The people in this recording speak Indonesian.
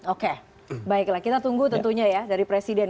oke baiklah kita tunggu tentunya ya dari presiden